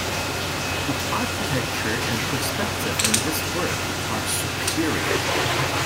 The architecture and perspective in this work are superior.